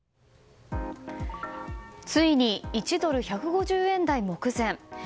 ついに１ドル＝１５０円台目前。